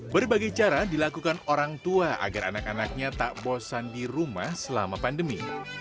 berbagai cara dilakukan orang tua agar anak anaknya tak bosan di rumah selama pandemi